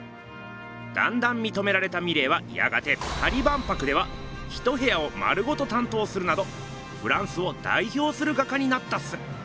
だんだんみとめられたミレーはやがてパリ万博では一部屋を丸ごと担当するなどフランスをだいひょうする画家になったっす。